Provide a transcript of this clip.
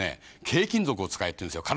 軽金属を使えって言うんですよ。